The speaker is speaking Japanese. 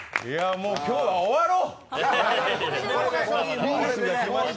もう今日は終わろう、これで。